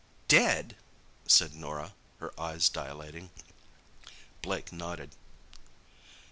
"Dead!" said Norah, her eyes dilating. Blake nodded.